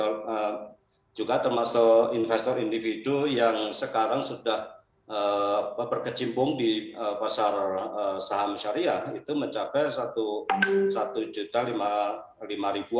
nah juga termasuk investor individu yang sekarang sudah berkecimpung di pasar saham syariah itu mencapai rp satu lima ratus